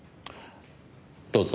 どうぞ。